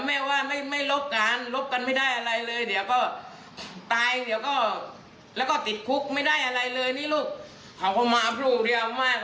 แล้วก็นี้เขาเข้ามาถึงรุมตรงเผชรเลย